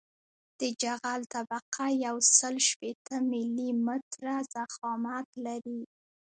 د جغل طبقه یوسل شپیته ملي متره ضخامت لري